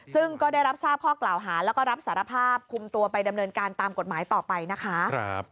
ซึ่งก็ได้รับทราบข้อกล่าวหาแล้วก็รับสารภาพคุมตัวไปดำเนินการตามกฎหมายต่อไปนะคะ